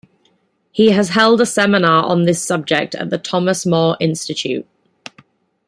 He has held a seminar on this subject at the Thomas More Institute.